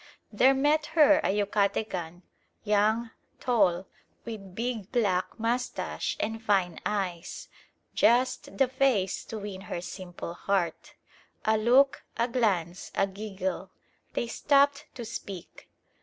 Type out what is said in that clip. There met her a Yucatecan, young, tall, with big black moustache and fine eyes: just the face to win her simple heart. A look, a glance, a giggle. They stopped to speak.